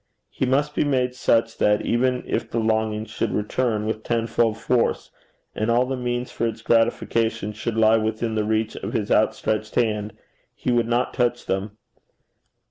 He must be made such that, even if the longing should return with tenfold force, and all the means for its gratification should lie within the reach of his outstretched hand, he would not touch them.